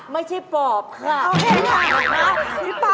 ไม่ใช่ปอบค่ะพี่ปั๊กค่ะพี่ปั๊ก